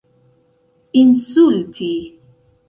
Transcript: insulti